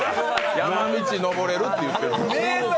山道上れるって言ってる。